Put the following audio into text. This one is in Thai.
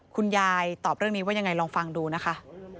คุณยายตอบเรื่องนี้ว่ายังไงลองฟังดูนะคะ